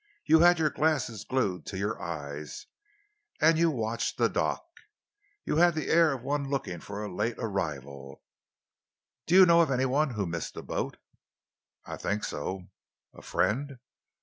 You had your glasses glued to your eyes and you watched the dock. You had the air of one looking for a late arrival. Do you know of any one who has missed the boat?" "I think so." "A friend?"